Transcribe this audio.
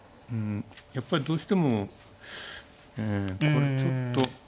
やっぱりどうしてもこれちょっと。